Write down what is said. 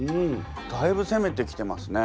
だいぶせめてきてますね。